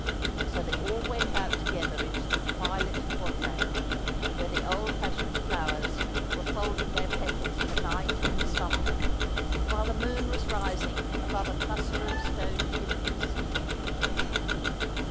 So they all went out together into the twilit quadrangle, where the old fashioned flowers were folding their petals for night and slumber, while the moon was rising above a cluster L 162 Asphodel. of stone chimneys.